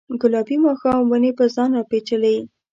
ګلابي ماښام ونې پر ځان راپیچلې